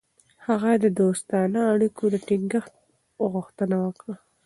هغه د دوستانه اړیکو د ټینګښت غوښتنه وکړه.